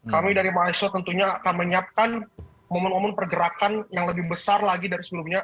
kami dari mahasiswa tentunya akan menyiapkan momen momen pergerakan yang lebih besar lagi dari sebelumnya